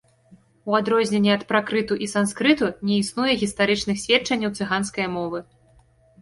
У адрозненне ад пракрыту і санскрыту, не існуе гістарычных сведчанняў цыганскае мовы.